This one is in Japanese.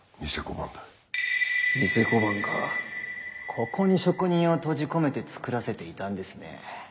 ここに職人を閉じ込めて造らせていたんですね。